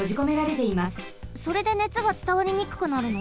それで熱がつたわりにくくなるの？